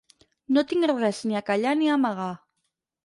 No tinc res ni a callar ni a amagar.